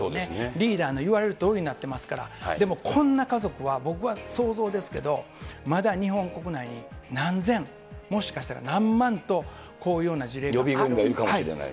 リーダーの言われるとおりになってますから、でもこんな家族は、僕は想像ですけど、まだ日本国内に何千、もしかしたら、何万と、予備軍がいるかもしれないと。